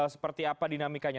seperti apa dinamikanya